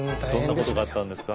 どんなことがあったんですか？